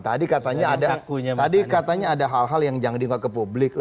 tadi katanya ada hal hal yang jangan diingat ke publik